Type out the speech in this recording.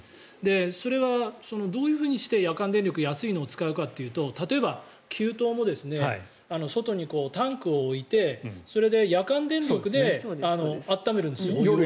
それはどういうふうにして夜間電力安いのを使うかというと例えば給湯も外にタンクを置いてそれで夜間電力で温めるんですよ。